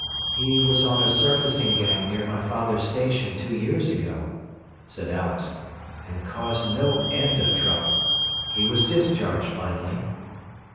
"He was on a surfacing gang near my father's station two years ago," said Alex, "and caused no end of trouble. He was discharged finally."